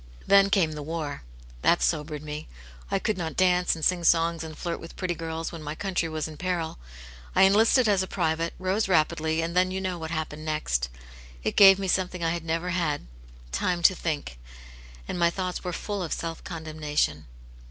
Then came the war. That sobered me. I could not dance and sing songs and flirt with pretty girls, when my country was in peril. I enlisted as a private, rose rapidly, and then you know what happened next. It gave me something I had never had — time to think; and my thoughts were full of self condemnation.